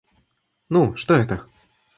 Ну, что это?